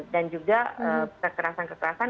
dan juga kekerasan kekerasan